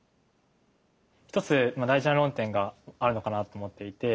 一つ大事な論点があるのかなと思っていて。